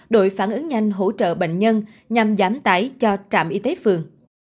đội phản ứng nhanh hỗ trợ bệnh nhân nhằm giảm tải cho trạm y tế phường